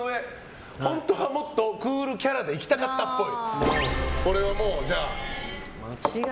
ホントはもっとクールキャラでいきたかったっぽい。